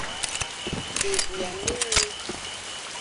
Devi amenyi.